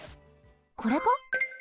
これか？